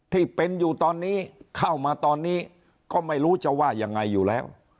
ที่เป็นอยู่ตอนนี้เข้ามาตอนนี้ก็ไม่รู้จะว่ายังไงอยู่แล้ว